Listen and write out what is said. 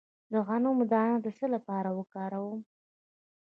د غنم دانه د څه لپاره وکاروم؟